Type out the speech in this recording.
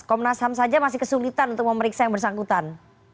komnas ham saja masih kesulitan untuk memeriksa yang bersangkutan